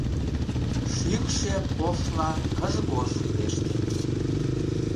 Шӱкшӧ пошла кыж-гож шӱлештыт.